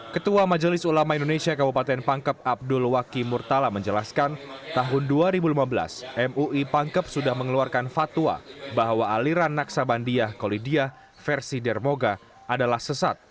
ketua majelis ulama indonesia kabupaten pangkep abdul waki murtala menjelaskan tahun dua ribu lima belas mui pangkep sudah mengeluarkan fatwa bahwa aliran naksabandiah kolidiah versi dermoga adalah sesat